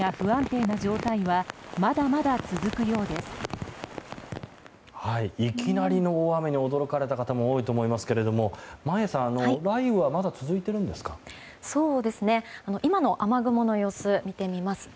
いきなりの大雨に驚かれた方も多いと思いますけれども眞家さん雷雨はまだ続いているんですか？